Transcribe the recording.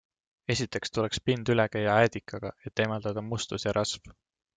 Esiteks tuleks pind üle käia äädikaga, et eemaldada mustus ja rasv.